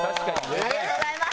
ありがとうございます。